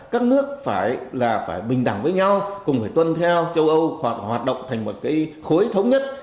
các nước phải bình đẳng với nhau cùng với tuân theo châu âu hoạt động thành một cái khối thống nhất